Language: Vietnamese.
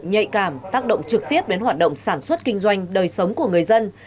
nhạy cảm tác động trực tiếp đến hoạt động sản xuất kinh doanh đời sống của người dân